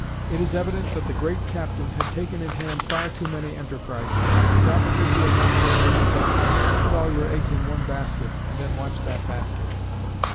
It is evident that the great captain had taken in hand far too many enterprises. Probably he had not heard the new doctrine: "Put all your eggs in one basket and then watch that basket."